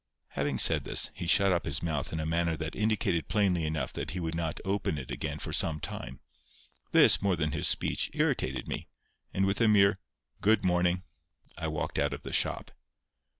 Having said this, he shut up his mouth in a manner that indicated plainly enough he would not open it again for some time. This, more than his speech, irritated me, and with a mere "good morning," I walked out of the shop.